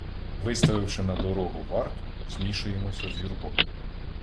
Виставивши на дорогу варту, змішуємося з юрбою.